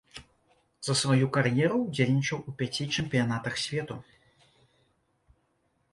За сваю кар'еру ўдзельнічаў у пяці чэмпіянатах свету.